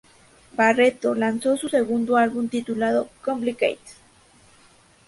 Barretto lanzó su segundo Álbum titulado "Complicated".